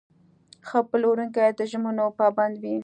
ښه پلورونکی د ژمنو پابند وي.